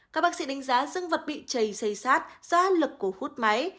các bác sĩ đánh giá dương vật bị chảy xây sát do áp lực của hút máy